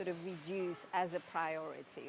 diurangi sebagai prioritas